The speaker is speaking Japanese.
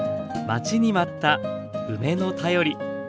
待ちに待った梅の便り。